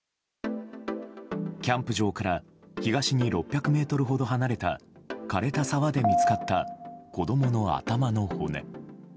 キャンプ場から東に６００ｍほど離れた枯れた沢で見つかった子供の頭の骨。